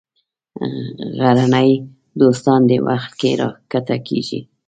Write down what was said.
غرني دوستان دې وخت کې راکښته کېږي.